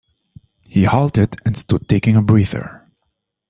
He halted and stood taking a breather.